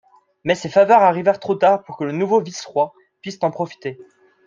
Mais ces faveurs arrivèrent trop tard pour que le nouveau vice-roi puisse en profiter.